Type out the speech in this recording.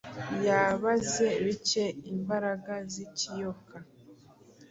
Yabaze bike imbaraga zikiyoka